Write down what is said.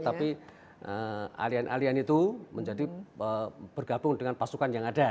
tapi alian alian itu menjadi bergabung dengan pasukan yang ada